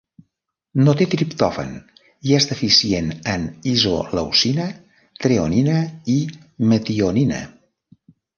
No té triptòfan i és deficient en isoleucina, treonina, i metionina.